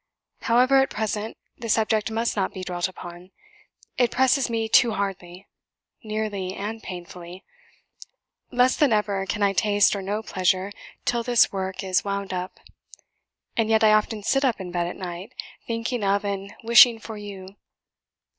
However, at present, the subject must not be dwelt upon; it presses me too hardly nearly and painfully. Less than ever can I taste or know pleasure till this work is wound up. And yet I often sit up in bed at night, thinking of and wishing for you.